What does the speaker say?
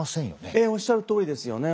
ええおっしゃるとおりですよね。